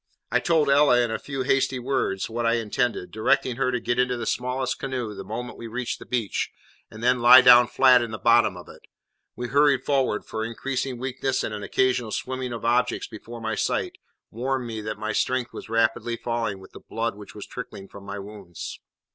I told Ella, in a few hasty words, what I intended, directing her to get into the smallest canoe the moment we reached the beach, and then lie down flat in the bottom of it. We hurried forward, for increasing weakness and an occasional swimming of objects before my sight, warned me that my strength was rapidly failing with the blood which was trickling from my wounds.